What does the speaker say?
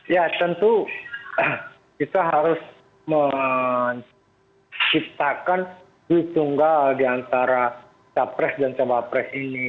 ya tentu kita harus menciptakan hitunggal di antara cawapres dan cawapres ini